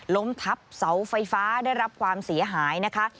ล้มทับเสาไฟฟ้าได้รับความเสียหายนะคะ